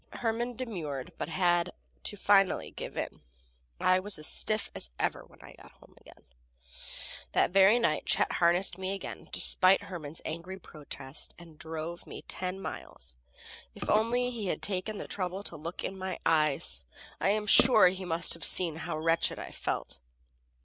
Herman demurred, but had to finally give in. I was as stiff as ever when I got home again. That very night Chet harnessed me again, despite Herman's angry protest, and drove me ten miles. If only he had taken the trouble to look in my eyes, I am sure he must have seen how wretched I felt.